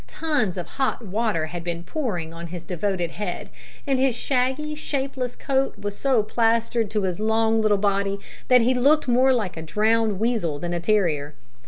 Tons of hot water had been pouring on his devoted head, and his shaggy, shapeless coat was so plastered to his long, little body, that he looked more like a drowned weazel than a terrier.